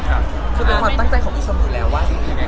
คุณเป็นความตั้งใจของผู้ชมอยู่แล้วว่าอย่างไร